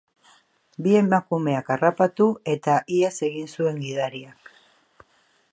Bi emakumeak harrapatu eta ihes egin zuen gidariak.